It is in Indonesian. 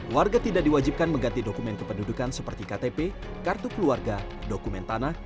warga tidak diwajibkan mengganti dokumen kependudukan seperti ktp kartu keluarga dokumen tanah